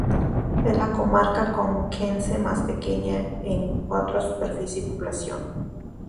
Es la comarca conquense más pequeña en cuanto a superficie y población.